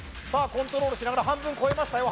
コントロールしながら半分超えましたよ